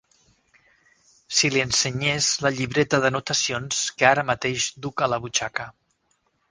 Si li ensenyés la llibreta d'anotacions que ara mateix duc a la butxaca.